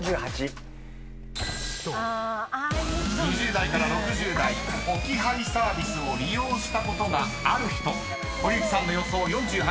［２０代から６０代置き配サービスを利用したことがある人堀内さんの予想４８％］